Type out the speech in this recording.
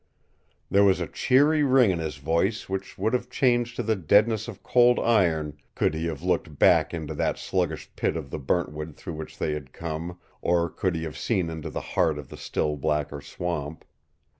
There was a cheery ring in his voice which would have changed to the deadness of cold iron could he have looked back into that sluggish pit of the Burntwood through which they had come, or could he have seen into the heart of the still blacker swamp.